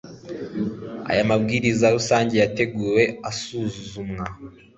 Aya mabwiriza rusange yateguwe asuzumwa